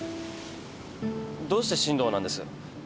どうして進藤なんです？